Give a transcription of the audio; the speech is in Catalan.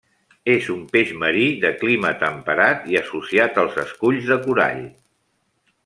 És un peix marí de clima temperat i associat als esculls de corall.